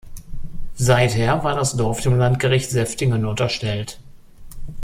Seither war das Dorf dem Landgericht Seftigen unterstellt.